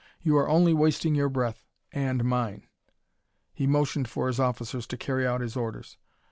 You are only wasting your breath and mine." He motioned for his officers to carry out his orders.